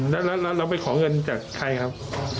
แล้วเราไปขอเงินจากใครครับ